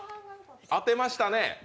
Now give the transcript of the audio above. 当てましたね。